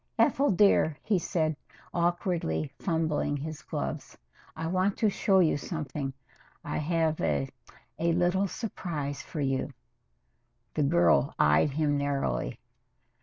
"Ethel dear," he said, awkwardly fumbling his gloves, "I want to show you something. I have a a little surprise for you." The girl eyed him narrowly.